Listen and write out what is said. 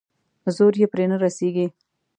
زور يې پرې نه رسېږي.